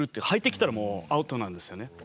入ってきたらもうアウトなんですよね。